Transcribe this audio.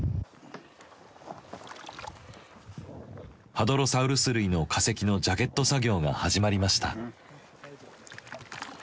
ハドロサウルス類の化石のジャケット作業が始まりました。